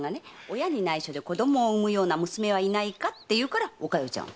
「親に内緒で子供を産むような娘はいないか」って言うからお加代ちゃんを。